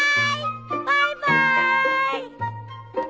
バイバイ。